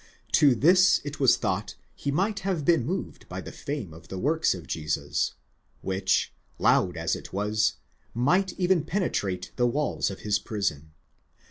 To this it was thought he might have been moved by the fame of the works of Jesus, which, loud as it was, might even penetrate the walls of his prison.